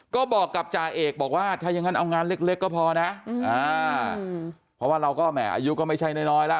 ก็บอกกับจ่าเอกบอกว่าถ้ายังงั้นเอางานเล็กก็พอนะเพราะว่าเราก็แหมอายุก็ไม่ใช่น้อยแล้ว